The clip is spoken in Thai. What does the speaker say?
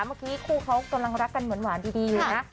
เมื่อกี้คู่เขาต้องรักกันเหมือนหวานดีอยู่นะ